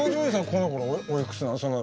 このころおいくつなの？